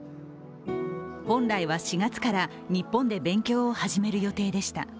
本来は、４月から日本で勉強を始める予定でした。